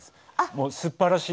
もうすっばらしい。